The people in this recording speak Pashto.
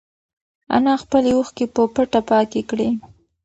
انا خپلې اوښکې په پټه پاکې کړې.